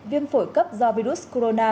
nhiễm virus phổi cấp do virus corona